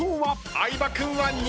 相葉君は２番。